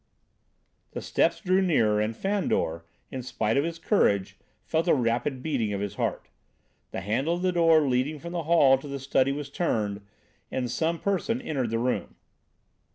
The steps drew nearer, and Fandor, in spite of his courage, felt the rapid beating of his heart. The handle of the door leading from the hall to the study was turned, and some person entered the room.